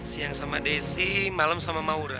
siang sama desi malam sama maura